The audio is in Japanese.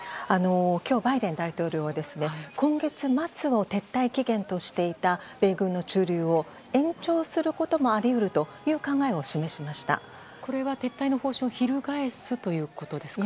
今日バイデン大統領は今月末を撤退期限としていた米軍の駐留を延長することもあり得るという考えをこれは撤退の方針を翻すということですか？